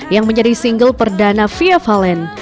yang menjadi single perdana fia valen